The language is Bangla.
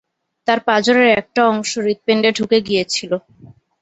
তার পাজরের একটা অংশ হৃৎপিন্ডে ঢুকে গিয়েছিল।